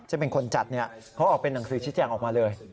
จะเป็นคนจัดเนี่ยเพราะออกเป็นหนังสือชี้แจงออกมาเลย